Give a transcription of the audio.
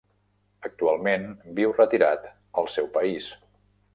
Actualment, viu retirat al seu país.